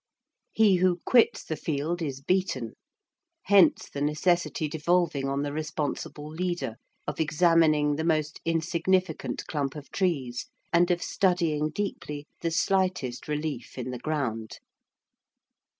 He who quits the field is beaten; hence the necessity devolving on the responsible leader, of examining the most insignificant clump of trees, and of studying deeply the slightest relief in the ground.